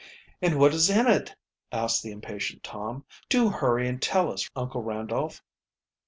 '" "And what is in it?" asked the impatient Tom. "Do hurry and tell us, Uncle Randolph."